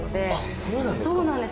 そうなんですか？